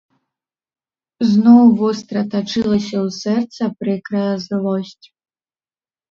Зноў востра тачылася ў сэрца прыкрая злосць.